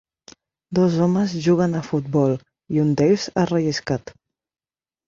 Dos homes juguen a futbol, i un d'ells ha relliscat.